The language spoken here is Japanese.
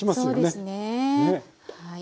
そうですねはい。